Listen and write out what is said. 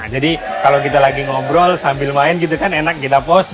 jadi kalau kita lagi ngobrol sambil main gitu kan enak kita pause